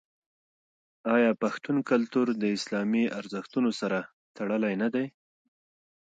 آیا پښتون کلتور د اسلامي ارزښتونو سره تړلی نه دی؟